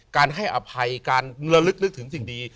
การให้อภัยการละลึกนึกถึงสิ่งดี